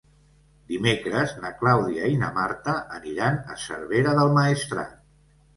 Dimecres na Clàudia i na Marta aniran a Cervera del Maestrat.